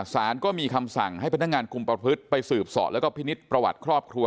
สารก็มีคำสั่งให้พนักงานกลุ่มประพฤติไปสืบสอบแล้วก็พินิษฐ์ประวัติครอบครัว